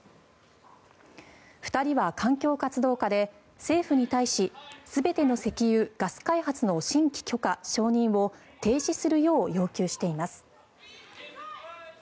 ２人は環境活動家で政府に対し全ての石油・ガス開発の新規許可・承認を停止するよう要求しています。